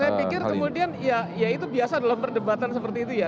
saya pikir kemudian ya itu biasa dalam perdebatan seperti itu ya